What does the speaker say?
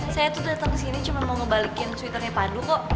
saya tuh datang ke sini cuma mau ngebalikin twitternya pandu kok